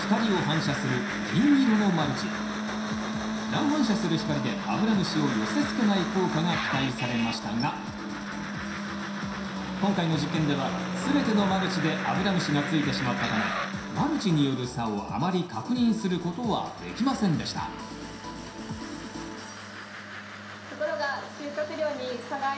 乱反射する光でアブラムシを寄せつけない効果が期待されましたが今回の実験では全てのマルチでアブラムシがついてしまったためマルチによる差をあまり確認することはできませんでしたところが収穫量に差がありました。